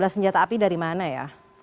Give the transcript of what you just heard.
dua belas senjata api dari mana ya